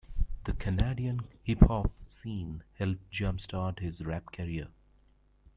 The Canadian hip-hop scene helped jump-start his rap career.